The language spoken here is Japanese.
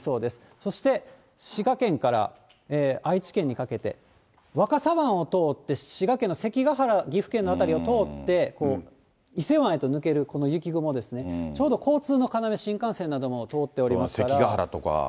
そして滋賀県から愛知県にかけて、若狭湾を通って、滋賀県の関ヶ原、岐阜県の辺りを通って、伊勢湾へと抜けるこの雪雲ですね、ちょうど交通の要、新幹線なども通っておりますから。